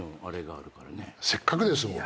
せっかくですもん。